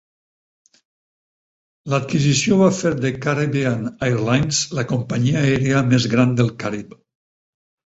L'adquisició va fer de Caribbean Airlines la companyia aèria més gran del Carib.